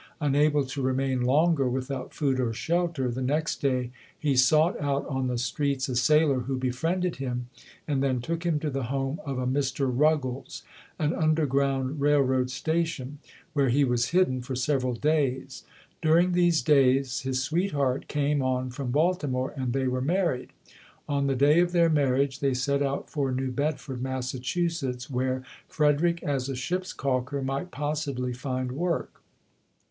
Unable to remain longer without food or shelter, the next day he sought out on the streets a sailor who be friended him and then took him to the home of a Mr. Ruggles an "underground railroad station" where he was hidden for several days. During these days his sweetheart came on from Baltimore and they were married. On the day of their mar riage they set out for New Bedford, Massachu setts, where Frederick as a ship's calker might possibly find work.